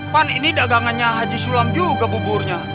pan ini dagangannya haji sulam juga buburnya